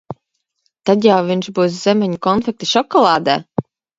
Tad jau viņš būs zemeņu konfekte šokolādē!